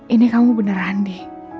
ini kamu beneran di